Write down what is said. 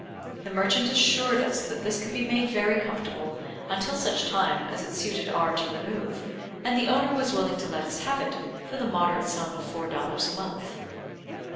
The merchant assured is that this could be made very comfortable until such time as it suited R to remove, and the owner was willing to let us have it for the moderate sum of four dollars a month.